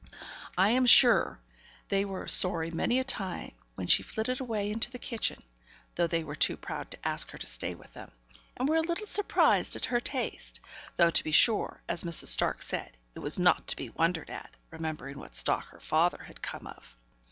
I am sure, they were sorry many a time when she flitted away into the kitchen, though they were too proud to ask her to stay with them, and were a little surprised at her taste; though to be sure, as Mrs. Stark said, it was not to be wondered at, remembering what stock her father had come of.